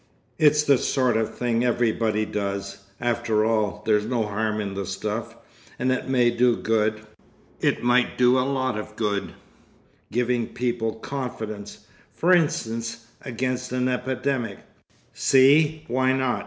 "It's the sort of thing everybody does. After all, there's no harm in the stuff—and it may do good. It might do a lot of good—giving people confidence, f'rinstance, against an epidemic. See? Why not?